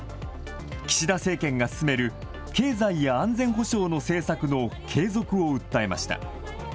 岸田政権が進める、経済や安全保障の政策の継続を訴えました。